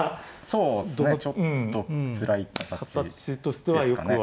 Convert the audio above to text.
そうですねちょっとつらい形ですかね。